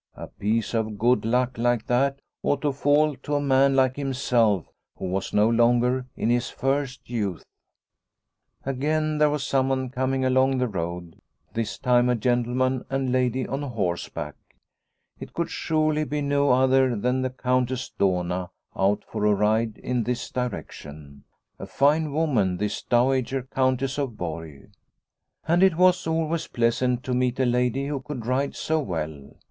A piece of good luck like that ought to fall to a man like himself who was no longer in his first youth ! Again there was someone coming along the road, this time a gentleman and lady on horse back. It could surely be no other than the Countess Dohna out for a ride in this direction. A fine woman this dowager Countess of Borg ! And it was always pleasant to meet a lady who could ride so well.